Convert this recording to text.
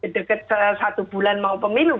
deket satu bulan mau pemilu